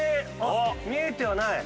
見えてはない。